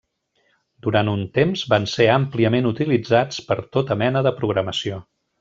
Durant un temps van ser àmpliament utilitzats per a tota mena de programació.